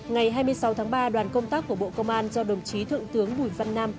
ngày hai mươi sáu tháng ba đoàn công tác của bộ công an do đồng chí thượng tướng bùi văn nam